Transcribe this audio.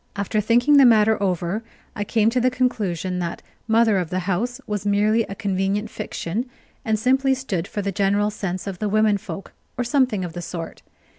After thinking the matter over, I came to the conclusion that "mother of the house" was merely a convenient fiction, and simply stood for the general sense of the women folk, or something of the sort.